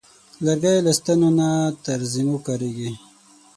لرګی له ستنو نه تر زینو کارېږي.